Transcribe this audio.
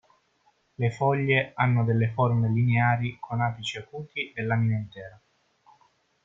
Le foglie hanno delle forme lineari con apici acuti e lamina intera.